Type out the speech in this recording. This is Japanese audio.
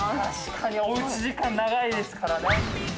確かにおうち時間長いですからね。